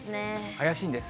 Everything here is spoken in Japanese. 怪しいんです。